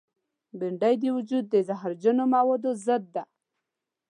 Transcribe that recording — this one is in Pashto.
بېنډۍ د وجود د زهرجنو موادو ضد ده